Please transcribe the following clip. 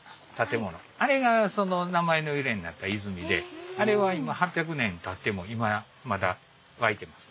あれがその名前の由来になった泉であれは今８００年たっても今まだ湧いてます。